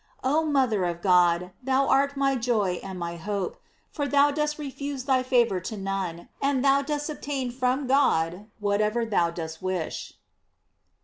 * Oil mother of God, thou art my joy and my hope, for thou dost refuse thy favor to none, and thou dost obtain from God whatever thou dost wish.